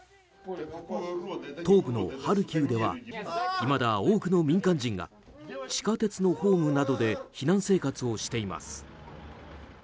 東部のハルキウではいまだ多くの民間人が地下鉄のホームなどで避難生活をしています。